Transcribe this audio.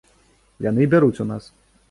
Яны і бяруць у нас.